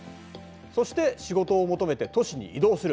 そして仕事を求めて都市に移動する。